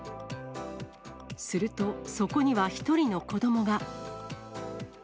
すると、そこには１人の子どもが。